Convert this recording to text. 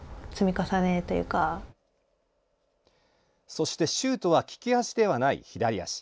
そしてシュートは利き足ではない左足。